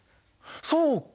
そうか！